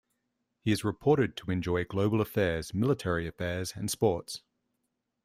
He is reported to enjoy global Affairs, military affairs and sports.